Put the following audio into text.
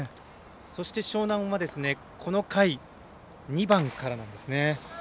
そして樟南はこの回、２番からなんですね。